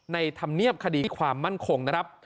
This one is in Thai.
ในธรรมเนียบคดีความมั่นคง